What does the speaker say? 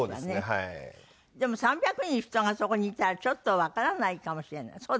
でも３００人人がそこにいたらちょっとわからないかもしれない。